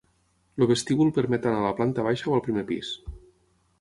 El vestíbul permet anar a la planta baixa o al primer pis.